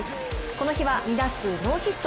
この日は、２打数ノーヒット。